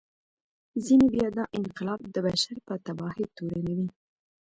ځینې بیا دا انقلاب د بشر په تباهي تورنوي.